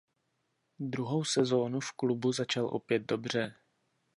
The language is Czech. Druhou sezonu v klubu začal opět dobře.